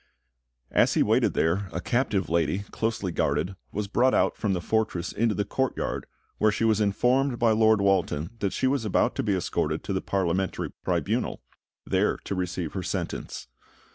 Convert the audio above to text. As he waited there, a captive lady, closely guarded, was brought out from the fortress into the courtyard, where she was informed by Lord Walton that she was about to be escorted to the Parliamentary tribunal, there to receive her sentence.